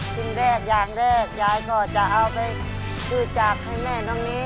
จึงเรียกอย่างเรียกยายก็จะเอาไปช่วยจากให้แม่น้องนี้